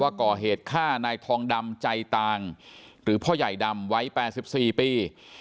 ก่อเหตุฆ่านายทองดำใจต่างหรือพ่อใหญ่ดำวัย๘๔ปี